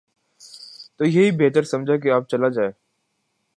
تو یہی بہتر سمجھا کہ اب چلا جائے۔